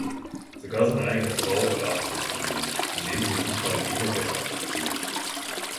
Sogar seine eigene Frau verachtet ihn, indem sie ihn nicht mal im Ehebett akzeptiert.